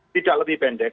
tidak lebih pendek